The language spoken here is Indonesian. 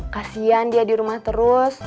kasian dia di rumah terus